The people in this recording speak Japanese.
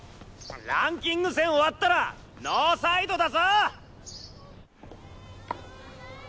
ランキング戦終わったらノーサイドだぞ！？